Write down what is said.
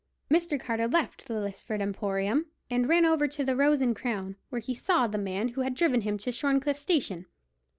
Mr. Carter left the Lisford emporium, and ran over to the Rose and Crown, where he saw the man who had driven him to Shorncliffe station.